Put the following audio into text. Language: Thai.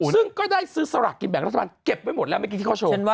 ซึ่งก็ได้ซื้อสลากกินแบ่งรัฐบาลเก็บไว้หมดแล้วเมื่อกี้ที่เขาโชว์